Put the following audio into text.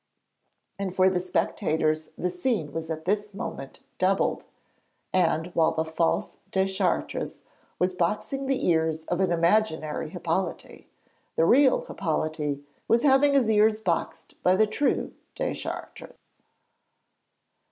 And for the spectators the scene was at this moment doubled, and while the false Deschartres was boxing the ears of an imaginary Hippolyte, the real Hippolyte was having his ears boxed by the true Deschartres.